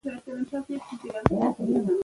ماشومان د سبا ورځې مشران دي.